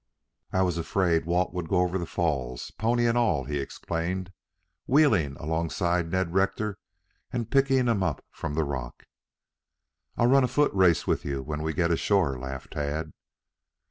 "I was afraid Walt would go over the falls, pony and all," he explained, wheeling alongside Ned Rector and picking him up from the rock. "I'll run a foot race with you when we get ashore," laughed Tad.